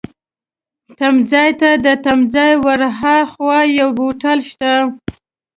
تمځای ته، تر تمځای ورهاخوا یو هوټل شته.